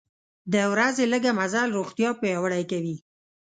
د ورځې لږه مزل روغتیا پیاوړې کوي.